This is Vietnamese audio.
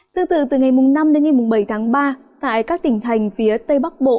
tương tự từ ngày năm đến ngày bảy tháng ba tại các tỉnh thành phía tây bắc bộ